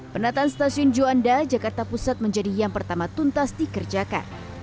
penataan stasiun juanda jakarta pusat menjadi yang pertama tuntas dikerjakan